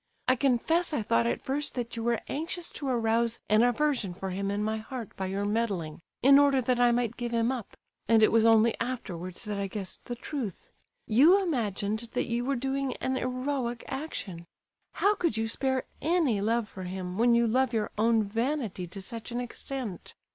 I confess I thought at first that you were anxious to arouse an aversion for him in my heart by your meddling, in order that I might give him up; and it was only afterwards that I guessed the truth. You imagined that you were doing an heroic action! How could you spare any love for him, when you love your own vanity to such an extent?